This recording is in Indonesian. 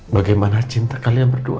bagaimana cinta kalian berdua